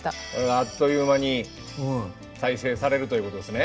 あっと言う間に再生されるということですね。